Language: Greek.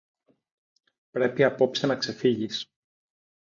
Πρέπει απόψε να ξεφύγεις